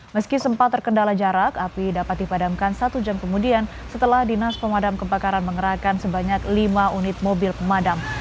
meski sempat terkendala jarak api dapat dipadamkan satu jam kemudian setelah dinas pemadam kebakaran mengerahkan sebanyak lima unit mobil pemadam